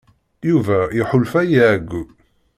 Yuba iḥulfa i ɛeyyu.